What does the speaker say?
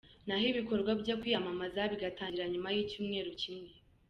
Na ho ibikorwa byo kwiyamamaza bigatangira nyuma y'icyumweru kimwe.